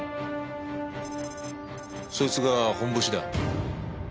そいつが本ボシだ。